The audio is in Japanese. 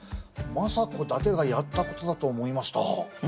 政子だけがやったことだと思いました。